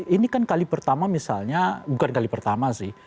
ini kan kali pertama misalnya bukan kali pertama sih